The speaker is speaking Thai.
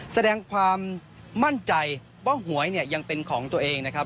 แสดงความมั่นใจว่าหวยเนี่ยยังเป็นของตัวเองนะครับ